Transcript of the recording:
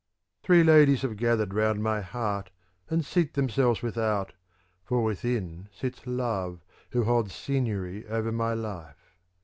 Three ladies have gathered round my heart and seat themselves without, for within sits love who holds seignory over my life.